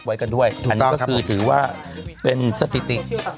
ไว้กันด้วยอันนี้ก็คือถือว่าเป็นสถิติ